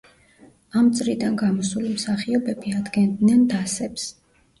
ამ წრიდან გამოსული მსახიობები ადგენდნენ დასებს.